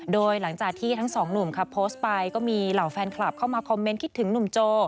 โดยหลังจากที่ทั้งสองหนุ่มค่ะโพสต์ไปก็มีเหล่าแฟนคลับเข้ามาคอมเมนต์คิดถึงหนุ่มโจ